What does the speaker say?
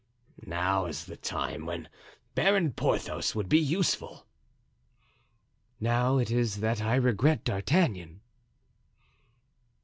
"Now is the time when Baron Porthos would be useful." "Now it is that I regret D'Artagnan."